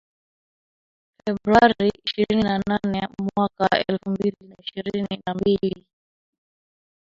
Februari ishirini na nane mwaka elfu mbili na ishirini na mbili